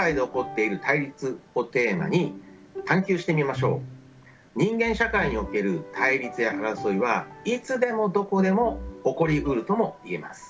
皆さんも人間社会における対立や争いはいつでもどこでも起こりうるとも言えます。